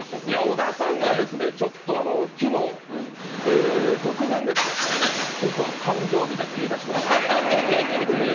小田さんが昨日、突然僕は誕生日だと言いだしましてね。